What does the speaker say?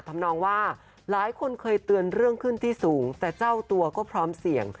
ทำนองว่าหลายคนเคยเตือนเรื่องขึ้นที่สูงแต่เจ้าตัวก็พร้อมเสี่ยง